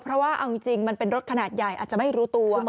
เพราะว่าเอาจริงมันเป็นรถขนาดใหญ่อาจจะไม่รู้ตัว